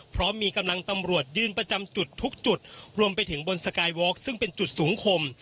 เพราะมีกำลังตำรวจยืนประจำจุดทุกจุดรวมไปถึงบนสกายวอล์กซึ่งเป็นจุดสูงคม